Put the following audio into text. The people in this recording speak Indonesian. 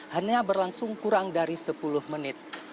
hanya berlangsung kurang dari sepuluh menit